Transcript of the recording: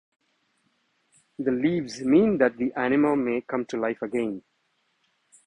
The leaves mean that the animal may come to life again.